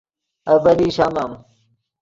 ابیلئی شامم